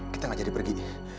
kita gak jadi pergi